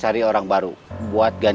masang ke dalam